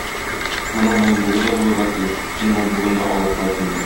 Моның ноутбугы да булырга тиеш, син ноутбугын да алып кайт инде